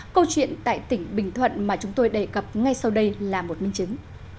câu chuyện tại tỉnh bình thuận mà chúng tôi đề cập ngay sau đây là một minh chứng